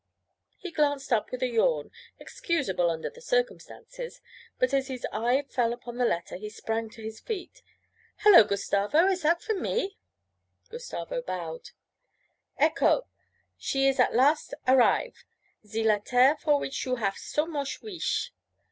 He glanced up with a yawn excusable under the circumstances but as his eye fell upon the letter he sprang to his feet. 'Hello, Gustavo! Is that for me?' Gustavo bowed. 'Ecco! She is at last arrive, ze lettair for which you haf so moch weesh.'